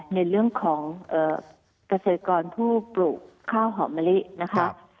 ในเรื่องของเกษตรกรผู้ปลูกข้าวหอมมะลินะคะ